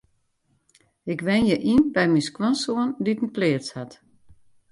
Ik wenje yn by my skoansoan dy't in pleats hat.